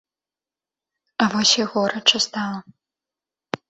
А вось і горача стала.